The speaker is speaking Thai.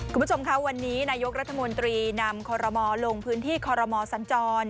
คุณผู้ชมค่ะวันนี้นายกรัฐมนตรีนำคอรมอลลงพื้นที่คอรมอสัญจร